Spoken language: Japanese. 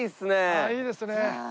ああいいですね。